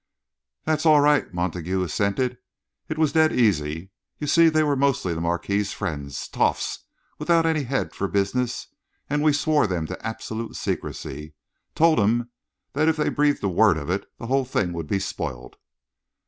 "That's all right," Montague assented. "It was dead easy. You see, they were mostly the Marquis's friends, toffs, without any head for business, and we swore them to absolute secrecy told them if they breathed a word of it, the whole thing would be spoilt."